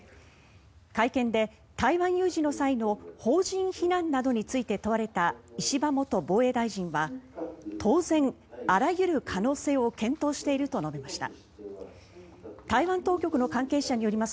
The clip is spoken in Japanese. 会見で台湾有事の際の邦人避難などについて問われた石破元防衛大臣は当然あらゆる可能性を検討していると述べました。